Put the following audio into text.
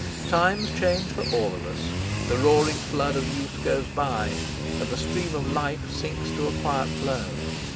Times change for all of us. The roaring flood of youth goes by, and the stream of life sinks to a quiet flow.